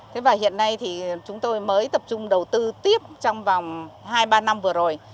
thế và hiện nay thì chúng tôi mới tập trung đầu tư tiếp trong vòng hai ba năm vừa rồi